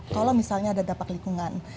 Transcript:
kalau misalnya ada dampak lingkungan